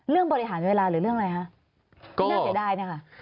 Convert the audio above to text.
เรื่องบริหารเวลาหรือเรื่องอะไรน่าเสียดาย